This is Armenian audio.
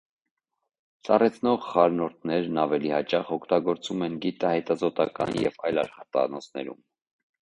Սառեցնող խառնուրդներն ավելի հաճախ օգտագործում են գիտահետազոտական և այլ աշխատանոցներում։